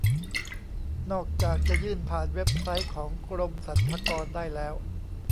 นอกจากจะยื่นผ่านเว็บไซต์ของกรมสรรพากรได้แล้ว